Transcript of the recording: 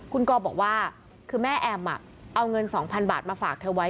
คุณกอบอกว่าคือแม่แอมเอาเงิน๒๐๐๐บาทมาฝากเธอไว้